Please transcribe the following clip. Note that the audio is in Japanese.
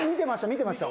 見てました